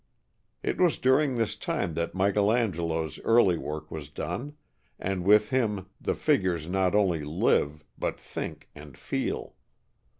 It was during this time that Michael Angelo's early work was done; and with him the figures not only live but think and feel.